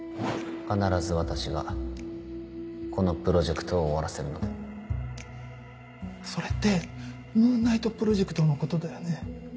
必ず私がこのプロジェクトを終わらせるのでそれってムーンナイトプロジェクトのことだよね。